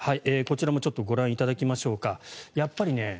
こちらもご覧いただきましょうか。